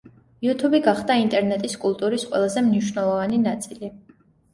იუთუბი გახდა ინტერნეტის კულტურის ყველაზე მნიშვნელოვანი ნაწილი.